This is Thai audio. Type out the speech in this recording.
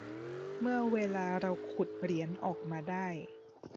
เมื่อเวลาเราขุดเหรียญออกมาได้